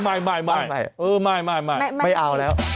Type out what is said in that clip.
ไม่เอาแล้ว